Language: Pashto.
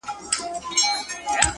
د ژوندون ساه د ژوند وږمه ماته كړه،